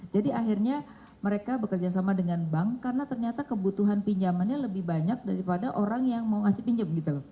jadi akhirnya mereka bekerja sama dengan bank karena ternyata kebutuhan pinjamannya lebih banyak daripada orang yang mau ngasih pinjem gitu